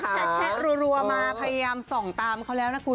แชะรัวมาพยายามส่องตามเขาแล้วนะคุณ